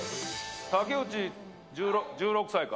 竹内、１６歳か？